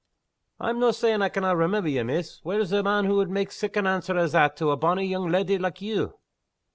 "I'm no' saying I canna remember ye, miss. Whar's the man would mak' sic an answer as that to a bonny young leddy like you?"